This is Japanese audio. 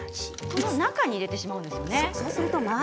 この中に入れてしまうんですよね。